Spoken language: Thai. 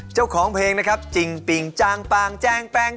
เจ้าของเพลงนะครับจริงปิงจางปางแจ้งแปง